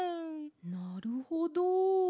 なるほど。